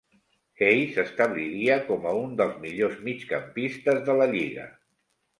Hayes s'establiria com a un dels millors migcampistes de la lliga.